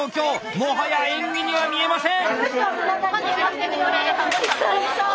もはや演技には見えません！